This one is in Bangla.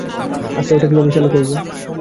আচ্ছা, ওটা কীভাবে চালু করবো?